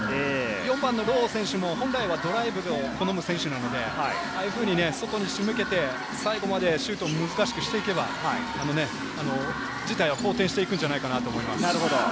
４番のロー選手も本来はドライブを好む選手なんですが、ああいうふうに外に仕向けて、最後までシュートを難しくしていけば、事態は好転していくんじゃないかと思います。